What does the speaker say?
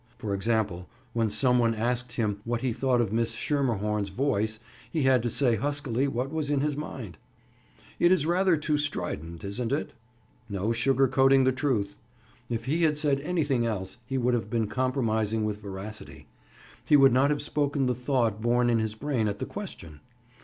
For example, when some one asked him what he thought of Miss Schermerhorn's voice, he had to say huskily what was in his mind: "It is rather too strident, isn't it?" No sugar coating the truth! If he had said anything else he would have been compromising with veracity; he would not have spoken the thought born in his brain at the question.